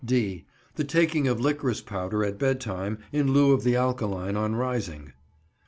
(d) The taking of liquorice powder at bed time in lieu of the alkaline on rising.